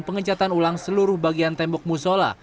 pengecatan ulang seluruh bagian tembok musola